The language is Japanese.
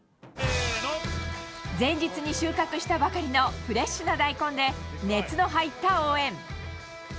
前日に収穫したばかりのフレッシュな大根で、熱の入った応援。